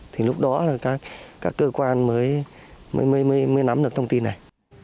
thì lúc đó là các cơ quan mới nắm được thông tin này